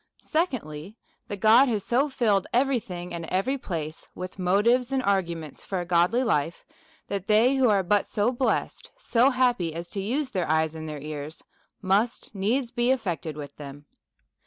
Secondly, That God has so filled every thing and every place with motives and arguments for a godly life, that they who are but so blessed, so happy as to use their eyes and their ears, must needs be affected with them.